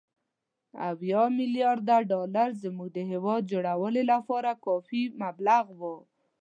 اووه ملیارده ډالر زموږ د هېواد جوړولو لپاره کافي مبلغ وو.